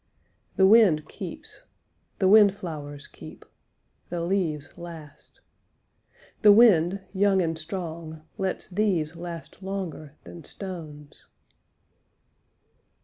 The wind keeps, the windflowers keep, the leaves last, The wind young and strong lets these last longer than stones.